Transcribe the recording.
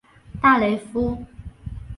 大雷夫。